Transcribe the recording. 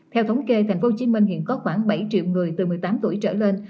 theo thống kê thành phố hồ chí minh hiện có khoảng bảy triệu người từ một mươi tám tuổi trở lên